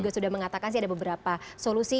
sudah mengatakan sih ada beberapa solusi